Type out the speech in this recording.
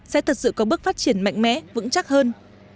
sẽ thật sự có bước phát triển mạnh mẽ vững chắc hơn